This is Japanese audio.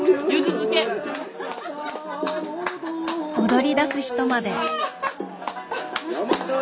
踊りだす人まで。